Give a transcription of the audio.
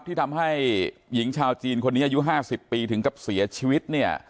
ที่ทำให้หญิงชาวจีนคนนี้อายุ๕๐ปีถึงกับเสียชีวิตเนี่ย